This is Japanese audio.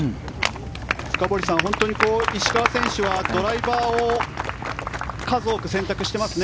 深堀さん石川選手はドライバーを数多く選択してますね。